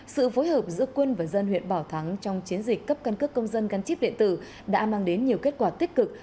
sự phối hợp giữa quân và dân huyện bảo thắng trong chiến dịch cấp căn cướp công dân ngăn chích địa tử đã mang đến nhiều kết quả tích cực